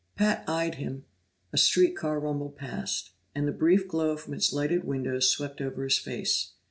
Pat eyed him; a street car rumbled past, and the brief glow from its lighted windows swept over his face.